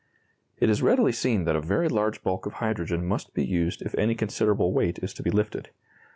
] It is readily seen that a very large bulk of hydrogen must be used if any considerable weight is to be lifted.